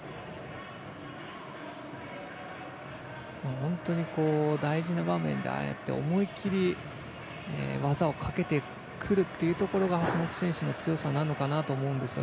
本当に大事な場面であえて、思い切り技をかけてくるというところが橋本選手の強さなのかなと思うんです。